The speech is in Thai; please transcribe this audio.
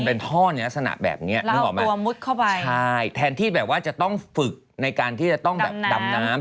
เป็นท่อในลักษณะแบบนี้นึกออกไหมตัวมุดเข้าไปใช่แทนที่แบบว่าจะต้องฝึกในการที่จะต้องแบบดำน้ำ